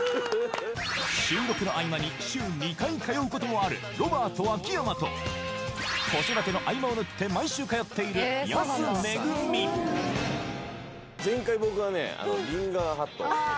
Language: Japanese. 収録の合間に週２回通うこともあるロバート秋山と子育ての合間を縫って毎週通っている安めぐみあっそうでしたね